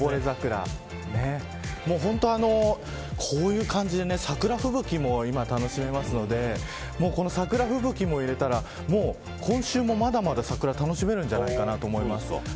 こういう感じで桜吹雪も今、楽しめますので桜吹雪も入れたら今週もまだまだ桜楽しめるんじゃないかなと思います。